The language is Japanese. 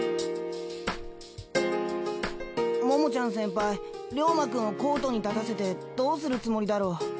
桃ちゃん先輩リョーマくんをコートに立たせてどうするつもりだろう？